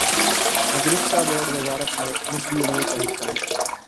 مدرسہ بورڈوزارت مذہبی امور کا حصہ ہے۔